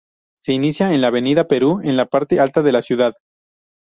Se inicia en la avenida Perú, en la parte alta de la ciudad.